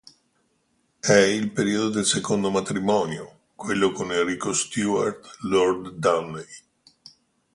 È il periodo del secondo matrimonio, quello con Enrico Stuart, Lord Darnley.